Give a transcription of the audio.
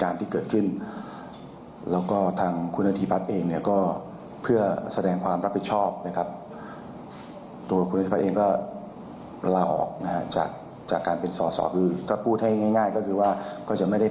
นี่คือนายพิจารณ์ชาววะพัฒนาวงศ์